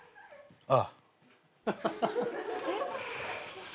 ああ。